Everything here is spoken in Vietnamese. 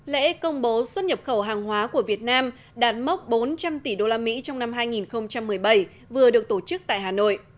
lễ công bố xuất nhập khẩu hàng hóa của việt nam đạt mốc bốn trăm linh tỷ usd trong năm hai nghìn một mươi bảy vừa được tổ chức tại hà nội